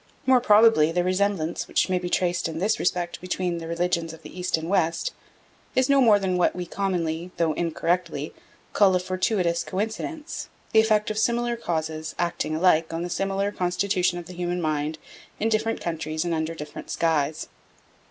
More probably the resemblance which may be traced in this respect between the religions of the East and West is no more than what we commonly, though incorrectly, call a fortuitous coincidence, the effect of similar causes acting alike on the similar constitution of the human mind in different countries and under different skies.